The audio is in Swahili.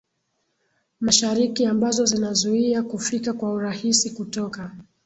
mashariki ambazo zinazuia kufika kwa urahisi kutoka